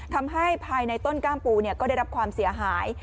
ทำให้ภายในต้นกล้ามปูก็ได้รับความเสียหาย